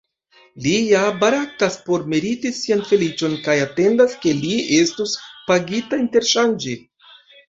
Li ja baraktas por meriti sian feliĉon, kaj atendas ke li estos pagita interŝanĝe.